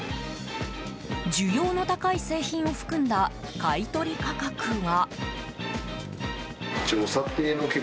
需要の高い製品を含んだ買い取り価格は？